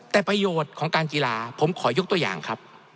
แต่ประโยชน์ของการกีฬาผมขอยกตัวอย่างครับ